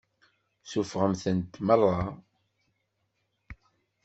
Suffɣemt-tent meṛṛa.